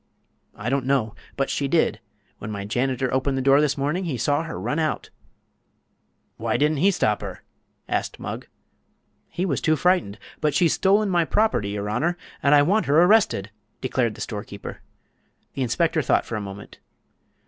"I don't know; but she did. When my janitor opened the door this morning he saw her run out." "Why didn't he stop her?" asked Mugg. "He was too frightened. But she's stolen my property, your honor, and I want her arrested!" declared the storekeeper. The inspector thought for a moment.